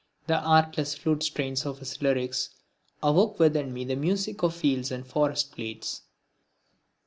The artless flute strains of his lyrics awoke within me the music of fields and forest glades.